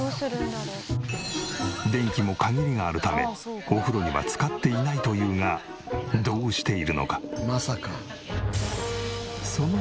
電気も限りがあるためお風呂には使っていないというがどうしているのか？